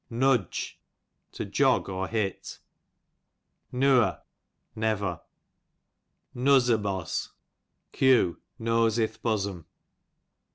Nudge, to jog^ or hit. Nuer, never. Nuzz e baz, q. nose ith^ bo som.